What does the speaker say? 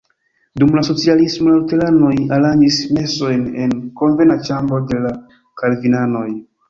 Dum la socialismo la luteranoj aranĝis mesojn en konvena ĉambro de la kalvinanoj.